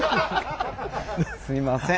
すいません。